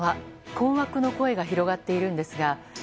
困惑の声が広がっているんですが。